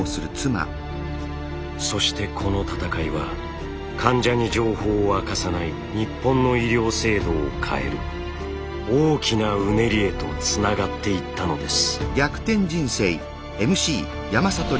そしてこの闘いは患者に情報を明かさない日本の医療制度を変える大きなうねりへとつながっていったのです。